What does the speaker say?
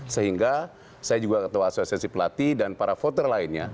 sehingga saya juga ketua asosiasi pelatih dan para voter lainnya